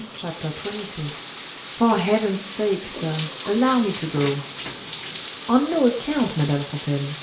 CHAPTER XXII "For heaven's sake, sir, allow me to go!" "On no account, Madame Fontaine.